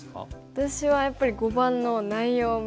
私はやっぱり碁盤の内容を見て。